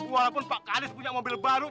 walaupun pak kadis punya mobil baru